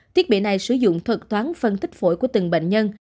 thiết bị này sử dụng thuật toán phân tích phổi của từng bệnh nhân